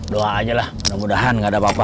doa aja lah mudah mudahan gak ada apa apa